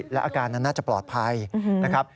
และอาการนั้นน่าจะปลอดภัยนะครับ